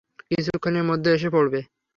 কিছুক্ষনের মধ্যে এসে পরবে।